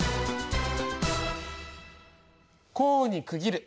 項に区切る。